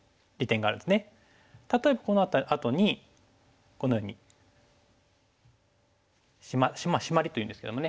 例えばこのあとにこのように「シマリ」というんですけどもね。